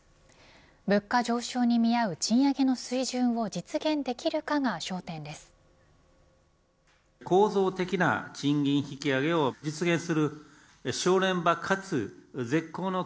物価上昇に見合う賃上げの水準を実現できるかが焦点です。